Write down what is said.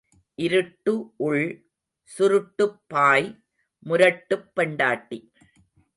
இருட்டு உள், சுருட்டுப் பாய், முரட்டுப் பெண்டாட்டி.